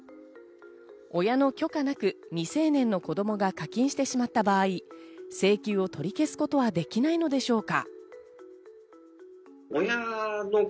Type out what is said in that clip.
親の許可なく未成年の子供が課金してしまった場合、請求を取り消すことはできないのでしょうか。